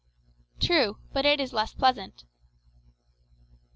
"True; but it is less pleasant."